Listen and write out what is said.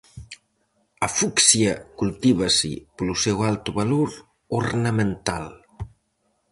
A fucsia cultívase polo seu alto valor ornamental.